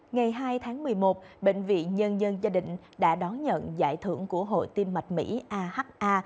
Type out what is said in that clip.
ngày hai tháng một mươi một bệnh viện nhân dân gia đình đã đón nhận giải thưởng của hội tim mạch mỹ aha